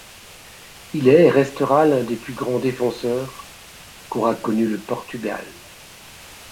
Il est et restera l'un des plus grands défenseurs qu'aura connu le Portugal.